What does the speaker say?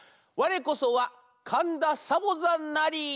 「われこそはかんだサボざんなり」。